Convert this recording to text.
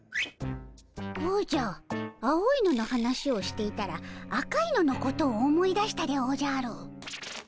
おじゃ青いのの話をしていたら赤いののことを思い出したでおじゃる。